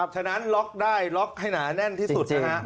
ฉะนั้นล็อกได้ล็อกให้หนาแน่นที่สุดนะฮะ